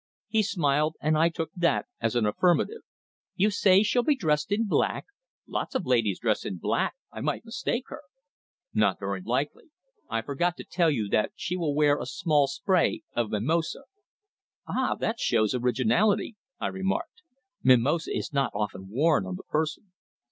He smiled, and I took that as an affirmative. "You say she'll be dressed in black. Lots of ladies dress in black. I might mistake her." "Not very likely. I forgot to tell you that she will wear a small spray of mimosa." "Ah, that shows originality," I remarked. "Mimosa is not often worn on the person."